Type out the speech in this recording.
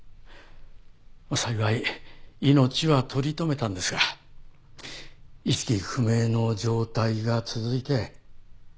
幸い命は取り留めたんですが意識不明の状態が続いて。